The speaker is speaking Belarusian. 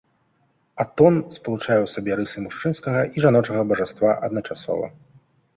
Атон спалучае ў сабе рысы мужчынскага і жаночага бажаства адначасова.